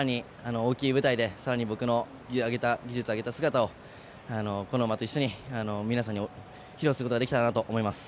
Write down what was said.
大きい舞台でさらに僕の技量をあげた姿をこの馬と一緒に皆さんに披露することができたらと思います。